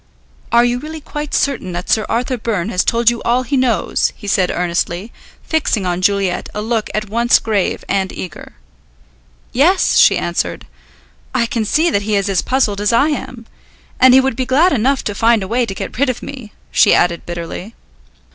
"Are you really quite certain that Sir Arthur Byrne has told you all he knows?" he said earnestly, fixing on Juliet a look at once grave and eager. "Yes," she answered. "I can see that he is as puzzled as I am. And he would be glad enough to find a way to get rid of me," she added bitterly.